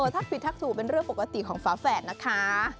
ทักผิดทักสู่เป็นเรื่องปกติของฝาแฝดนะคะ